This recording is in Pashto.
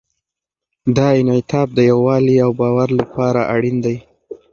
دا انعطاف د یووالي او باور لپاره اړین دی.